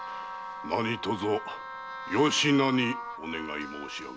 何とぞよしなにお願い申し上げる。